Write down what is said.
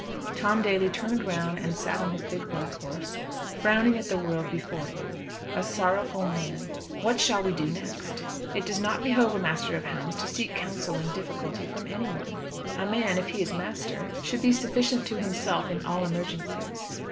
Tom Daly turned round and sat on his big black horse, frowning at the world before him; a sorrowful man. What shall we do next? It does not behove a master of hounds to seek counsel in difficulty from anyone. A man, if he is master, should be sufficient to himself in all emergencies.